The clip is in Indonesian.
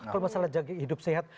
kalau masalah hidup sehat